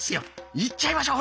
言っちゃいましょう！